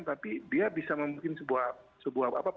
tapi dia bisa membuat sebuah pola baru